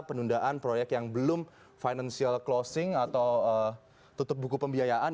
penundaan proyek yang belum financial closing atau tutup buku pembiayaan